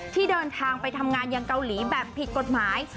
ที่เดินทางไปทำงานยังเกาหลีแบบผิดกฎหมาย